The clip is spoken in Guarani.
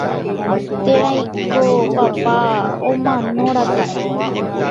térãiko papa omanoraka'e